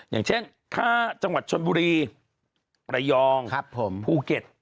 อย่างเช่นค่าจังหวัดชนบุรีระยองภูเก็ต